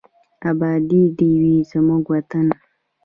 اباد دې وي زموږ وطن.